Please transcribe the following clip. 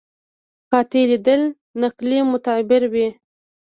قاطع دلیل نقلي معتبر وي.